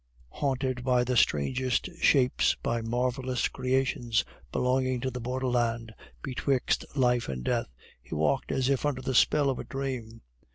Haunted by the strangest shapes, by marvelous creations belonging to the borderland betwixt life and death, he walked as if under the spell of a dream.